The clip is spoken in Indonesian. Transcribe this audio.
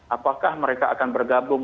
apakah mereka akan bergabung